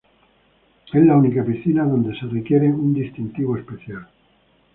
Es la única piscina donde se requiere un distintivo especial.